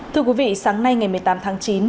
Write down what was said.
thưa quý vị sáng nay ngày một mươi tám tháng chín